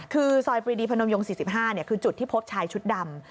คือซอยปรีดีพนมยง๔๕คือจุดที่พบชายชุดดำ